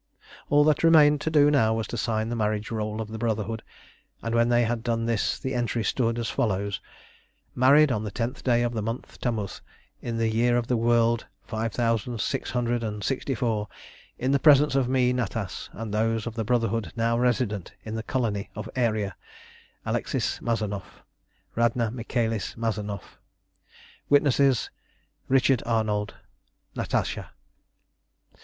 All that remained to do now was to sign the Marriage Roll of the Brotherhood, and when they had done this the entry stood as follows: "Married on the tenth day of the Month Tamuz, in the Year of the World five thousand six hundred and sixty four, in the presence of me, Natas, and those of the Brotherhood now resident in the Colony of Aeria: {ALEXIS MAZANOFF, {RADNA MICHAELIS MAZANOFF. Witnesses {RICHARD ARNOLD, {NATASHA.